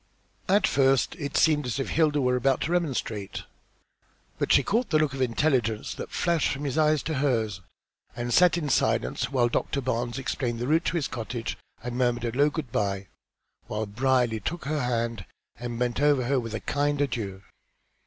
At first it seemed as if Hilda were about to remonstrate. But she caught the look of intelligence that flashed from his eyes to hers, and she sat in silence while Doctor Barnes explained the route to his cottage and murmured a low good bye, while Brierly took her hand and bent over her with a kind adieu.